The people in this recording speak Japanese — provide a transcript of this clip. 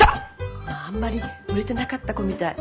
あんまり売れてなかった子みたい。